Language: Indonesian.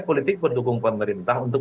politik bertukung pemerintah untuk